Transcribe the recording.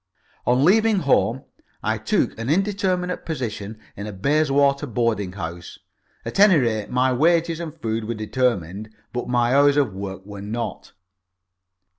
On leaving home I took an indeterminate position in a Bayswater boarding house. At any rate, my wages and food were determined, but my hours of work were not.